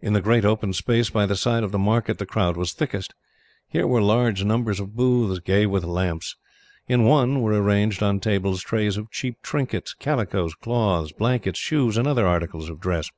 In the great open space, by the side of the market, the crowd was thickest. Here were large numbers of booths, gay with lamps. In one were arranged, on tables, trays of cheap trinkets, calicoes, cloths, blankets, shoes, and other articles of dress.